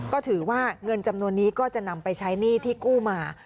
ก็ถือว่าเงินจำนวนนี้ก็จะนำไปใช้หนี้ที่กู้มา